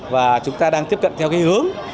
và chúng ta đang tiếp cận theo cái hướng